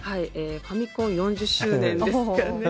ファミコン４０周年ですかね。